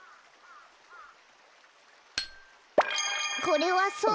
これはソ。